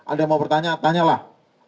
ada yang mau bertanya tanyalah